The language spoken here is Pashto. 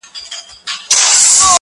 کورنۍ ورو ورو تيت کيږي تل,